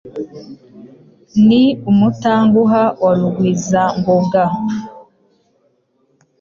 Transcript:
Ni umutanguha wa Rugwiza ngoga